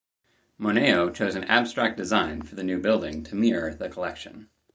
Moneo chose an abstract design for the new building to mirror the collection.